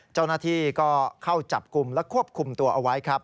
เจ้าหน้าที่ก็เข้าจับกลุ่มและควบคุมตัวเอาไว้ครับ